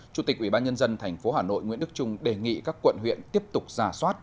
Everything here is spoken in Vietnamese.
chủ tịch ubnd tp hà nội nguyễn đức trung đề nghị các quận huyện tiếp tục ra soát